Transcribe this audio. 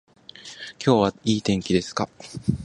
今日はいい天気ですか